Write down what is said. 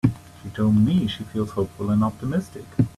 She told me she feels hopeful and optimistic.